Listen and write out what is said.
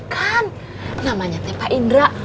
kan namanya tepa indra